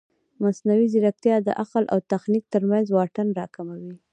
مصنوعي ځیرکتیا د عقل او تخنیک ترمنځ واټن راکموي.